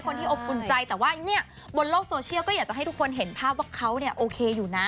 ที่อบอุ่นใจแต่ว่าเนี่ยบนโลกโซเชียลก็อยากจะให้ทุกคนเห็นภาพว่าเขาเนี่ยโอเคอยู่นะ